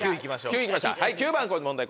９番の問題